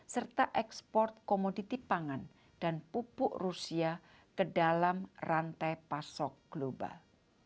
serta ekspor komoditi pangan dan pupuk rusia ke dalam rantai pasok global